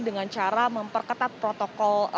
dengan cara memperketat protokol